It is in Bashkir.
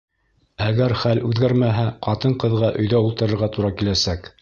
Әгәр хәл үҙгәрмәһә, ҡатын-ҡыҙға өйҙә ултырырға тура киләсәк.